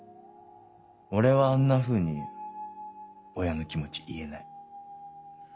俺はあんなふうに親の気持ち言えない。